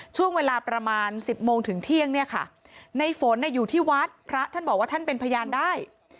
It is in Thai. ช่วงเวลาประมาณ๑๐โมงถึงเที่ยงเนี่ยค่ะในฝนอยู่ที่วัดพระท่านบอกว่าท่านเป็นพยานได้